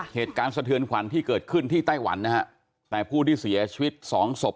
สะเทือนขวัญที่เกิดขึ้นที่ไต้หวันนะฮะแต่ผู้ที่เสียชีวิตสองศพ